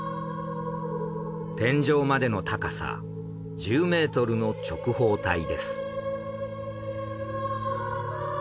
天井までの高さ１０ｍの直方体です。